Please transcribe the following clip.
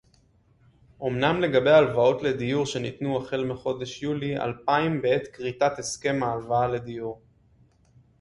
אומנם לגבי הלוואות לדיור שניתנו החל מחודש יולי אלפיים בעת כריתת הסכם ההלוואה לדיור